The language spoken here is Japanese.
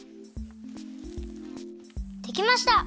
できました！